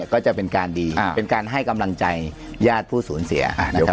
ก็จะเป็นการดีเป็นการให้กำลังใจญาติผู้สูญเสียนะครับ